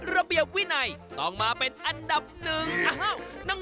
ระเบียบวินัยต้องมาเป็นอันดับหนึ่ง